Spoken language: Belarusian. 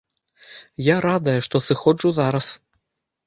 Я радая, што сыходжу зараз.